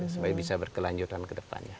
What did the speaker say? supaya bisa berkelanjutan kedepannya